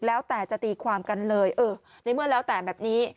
แล้วแต่จะตีความกันเลยเออในเมื่อแล้วแต่แบบนี้